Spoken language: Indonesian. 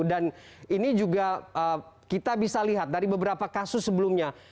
dan ini juga kita bisa lihat dari beberapa kasus sebelumnya